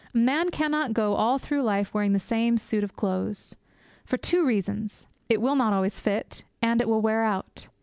A man cannot go all through life wearing the same suit of clothes. For two reasons. It will not always fit, and it will wear out.